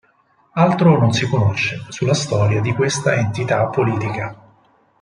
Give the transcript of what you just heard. Altro non si conosce sulla storia di questa entità politica.